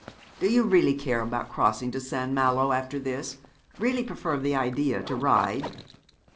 'Do you really care about crossing to St. Malo after this really prefer the idea to Ryde?'